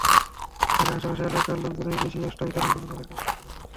আগে আশপাশের এলাকার লোকজনই বেশি আসত, ইদানীং বিভিন্ন এলাকা থেকে মানুষ আসে।